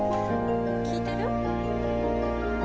聞いてる？